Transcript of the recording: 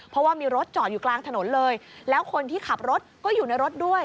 เพราะว่ามีรถจอดอยู่กลางถนนเลยแล้วคนที่ขับรถก็อยู่ในรถด้วย